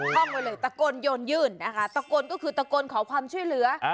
ท่องไว้เลยตะโกนโยนยื่นนะคะตะโกนก็คือตะโกนขอความช่วยเหลือ